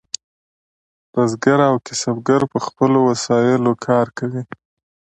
بزګر او کسبګر په خپلو وسایلو کار کوي.